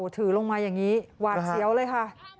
ถือลงมาอย่างนี้หวาดเสียวเลยค่ะ